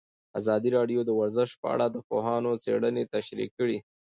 ازادي راډیو د ورزش په اړه د پوهانو څېړنې تشریح کړې.